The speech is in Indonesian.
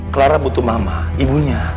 clara butuh mama ibunya